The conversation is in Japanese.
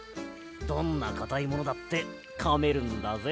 どんなかたいものだってかめるんだぜ。